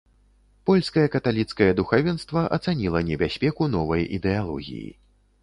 Польскае каталіцкае духавенства ацаніла небяспеку новай ідэалогіі.